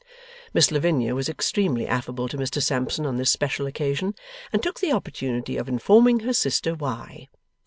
Miss Lavinia was extremely affable to Mr Sampson on this special occasion, and took the opportunity of informing her sister why.